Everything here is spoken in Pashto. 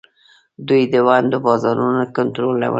دوی د ونډو بازارونه کنټرولوي.